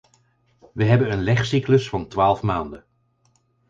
We hebben een legcyclus van twaalf maanden.